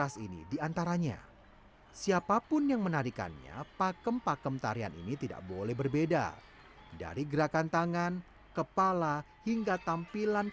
saya juga dulu waktu kecil